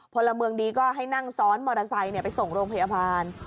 พลเมืองดีก็ให้นั่งซ้อนมอเตอร์ไซค์ไปส่งโรงพยาบาล